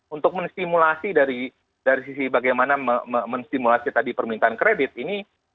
untuk menstimulasi dari sisi bagaimana menstimulasi tadi permintaan kredit ini